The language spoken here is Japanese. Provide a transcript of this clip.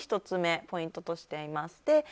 １つ目のポイントととしています。